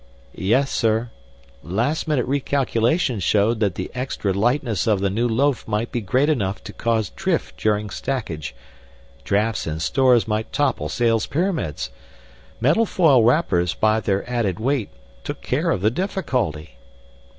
"Yes, sir. Last minute recalculations showed that the extra lightness of the new loaf might be great enough to cause drift during stackage. Drafts in stores might topple sales pyramids. Metal foil wrappers, by their added weight, took care of the difficulty."